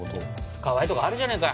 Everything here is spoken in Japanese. かわいいとこあるじゃねえか。